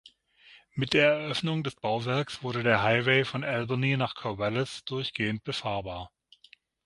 Mit der Eröffnung des Bauwerks wurde der Highway von Albany nach Corvallis durchgehend befahrbar.